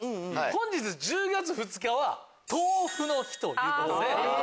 本日１０月２日は豆腐の日ということで。